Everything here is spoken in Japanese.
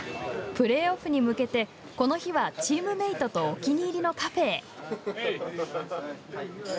プレーオフに向けてこの日はチームメートとお気に入りのカフェへ。